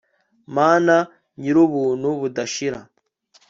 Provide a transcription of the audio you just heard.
mana, nyir'ubuntu budashir.